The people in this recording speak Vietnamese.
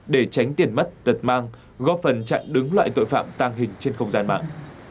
để tránh tiền mất tật mang góp phần chặn đứng loại tội phạm tàng hình trên không gian mạng